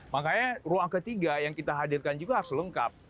makanya ruang ketiga yang kita hadirkan juga harus lengkap